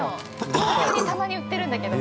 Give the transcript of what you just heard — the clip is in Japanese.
東京にたまに売ってるんだけど。